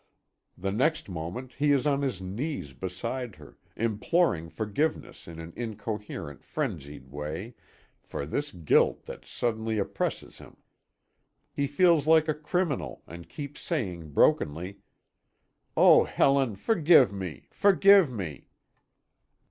The next moment he is on his knees beside her, imploring forgiveness in an incoherent, frenzied way, for this guilt that suddenly oppresses him! He feels like a criminal, and keeps saying brokenly: "Oh Helen, forgive me! forgive me!"